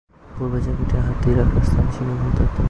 পুর্বে জায়গাটি হাতি রাখার স্থান হিসেবে ব্যবহৃত হতো।